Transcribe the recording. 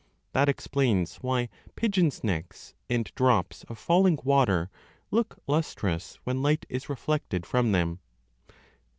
15 That explains why pigeons necks and drops of falling water look lustrous when light is reflected from them.